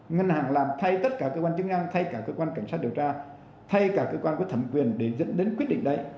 ngân hàng làm thay tất cả cơ quan chức năng thay cả cơ quan cảnh sát điều tra thay cả cơ quan có thẩm quyền để dẫn đến quyết định đấy